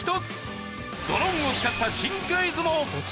ドローンを使った新クイズも